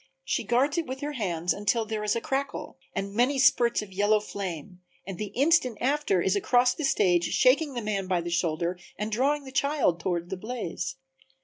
She guards it with her hands until there is a crackle and many spurts of yellow flame and the instant after is across the stage shaking the man by the shoulder and drawing the child toward the blaze.